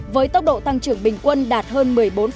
với tốc độ tăng trưởng bình quân đạt hơn một mươi bốn